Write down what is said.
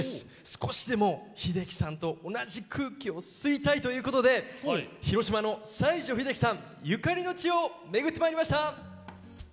少しでも秀樹さんと同じ空気を吸いたいということで広島の西城秀樹さんゆかりの地を巡ってまいりました！